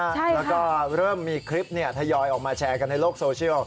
แล้วก็เริ่มมีคลิปทยอยออกมาแชร์กันในโลกโซเชียล